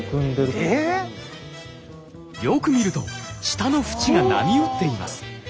よく見ると舌のフチが波打っています。